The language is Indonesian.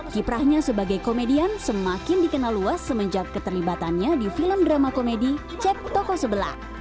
kiprahnya sebagai komedian semakin dikenal luas semenjak keterlibatannya di film drama komedi cek toko sebelah